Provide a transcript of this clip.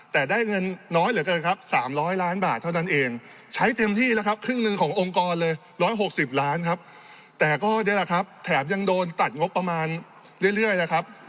๑๖๐ล้านครับแต่ก็นี่แหละครับแถมยังโดนตัดงบประมาณเรื่อยนะครับ